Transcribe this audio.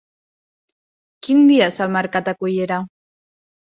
Quin dia és el mercat de Cullera?